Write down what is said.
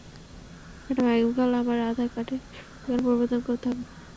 Madam, আগামীকাল আমার আধার কার্ডের ঠিকানা, পরিবর্তন করতে হবে।